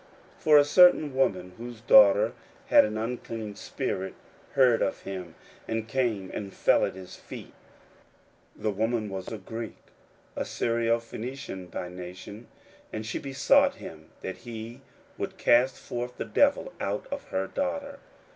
41:007:025 For a certain woman, whose young daughter had an unclean spirit, heard of him, and came and fell at his feet: 41:007:026 The woman was a Greek, a Syrophenician by nation; and she besought him that he would cast forth the devil out of her daughter.